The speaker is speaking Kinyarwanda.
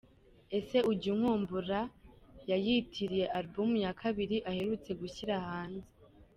Ese Ujya Unkumbura’ yayitiriye album ya Kabiri aherutse gushyira hanze.